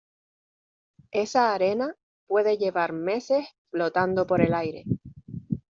esa arena puede llevar meses flotando por el aire.